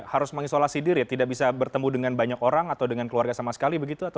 harus mengisolasi diri ya tidak bisa bertemu dengan banyak orang atau dengan keluarga sama sekali begitu